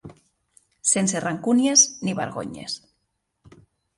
Sense rancúnies ni vergonyes.